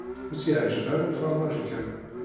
Ur s-yeɛǧib ara ufermaj i Kamal.